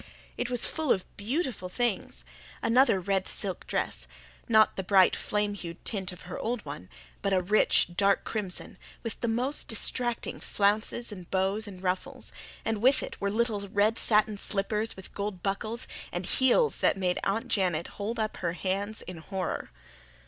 It was full of beautiful things, among them another red silk dress not the bright, flame hued tint of her old one, but a rich, dark crimson, with the most distracting flounces and bows and ruffles; and with it were little red satin slippers with gold buckles, and heels that made Aunt Janet hold up her hands in horror.